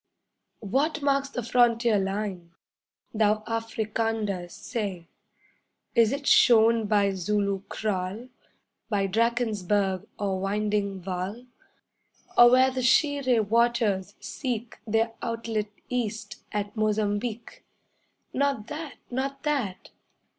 What marks the frontier line? Thou Africander, say! Is it shown by Zulu kraal, By Drakensberg or winding Vaal, Or where the Shiré waters seek Their outlet east at Mozambique? 'Not that! Not that!